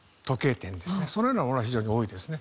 そういうようなものは非常に多いですね。